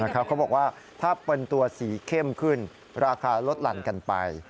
เขาบอกว่าถ้าเป็นตัวสีเข้มขึ้นราคาลดหลั่นกันไป